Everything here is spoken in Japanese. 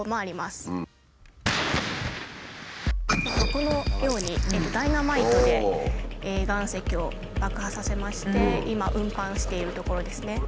このようにダイナマイトで岩石を爆破させまして今運搬しているところですね。